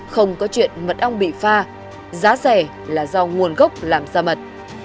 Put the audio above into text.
không có chuyện mật ong bị pha giá rẻ là do nguồn gốc làm ra mật